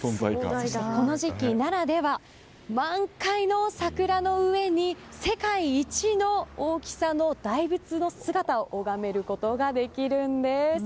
この時期ならでは満開の桜の上に世界一の大きさの大仏の姿を拝めることができるんです。